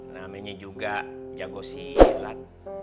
namanya juga jago silat